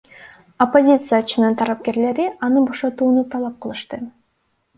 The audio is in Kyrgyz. Оппозициячынын тарапкерлери аны бошотууну талап кылышты.